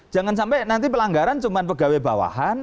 jangan sampai nanti pelanggaran cuma pegawai bawahan